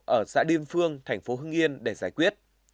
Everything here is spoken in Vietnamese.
ở xã điêm phương thành phố hưng yên để giải quyết